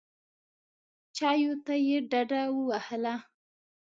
چایو ته یې ډډه ووهله.